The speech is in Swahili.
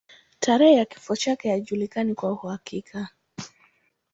Tarehe ya kifo chake haijulikani kwa uhakika.